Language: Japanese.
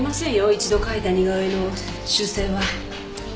一度描いた似顔絵の修正は。